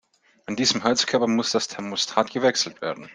An diesem Heizkörper muss das Thermostat gewechselt werden.